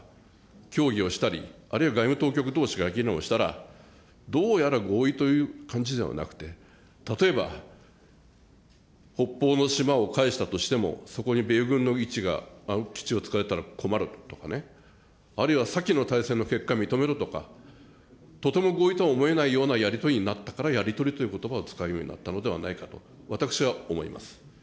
協議をしたり、あるいは外務当局どうしが議論をしたら、どうやら合意という感じではなくて、例えば北方の島を返したとしても、そこに米軍の基地をつくられたら困るとかね、あるいは先の大戦の結果認めろとか、とても合意とは思えないようなやり取りになったから、やり取りということばを使うようになったのではないかと、私は思います。